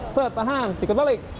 setahan sikut balik